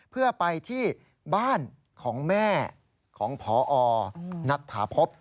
เพื่อไปที่บ้านของแม่ของพอณฑภพ